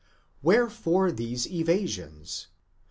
Wherefore these evasions?